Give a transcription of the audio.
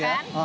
gak ada kan